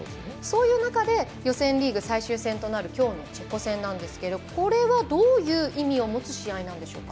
そういう中で予選リーグ最終戦となるきょうのチェコ戦なんですがこれはどういう意味を持つ